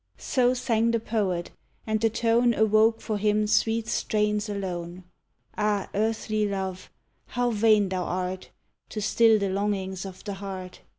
So sang the poet, and the tone Awoke for him sweet strains alone. Ah! earthly love, how vain thou art To still the longings of the heart!